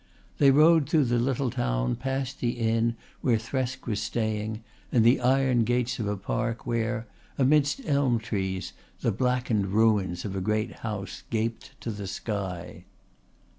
They rode through the little town, past the inn where Thresk was staying and the iron gates of a Park where, amidst elm trees, the blackened ruins of a great house gaped to the sky.